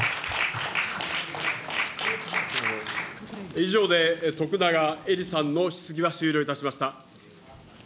以上で徳永エリさんの質疑は終了いたしました。